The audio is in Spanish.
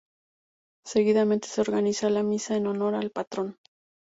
Seguidamente se organiza la misa en honor al Patrón.